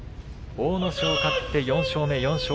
阿武咲、勝って、４勝目。